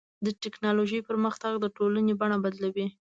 د ټکنالوجۍ پرمختګ د ټولنې بڼه بدلوي.